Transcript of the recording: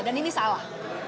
dan ini salah